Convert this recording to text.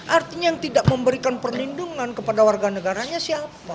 artinya yang tidak memberikan perlindungan kepada warga negaranya siapa